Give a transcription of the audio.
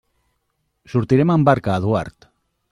Sortirem amb barca, Eduard.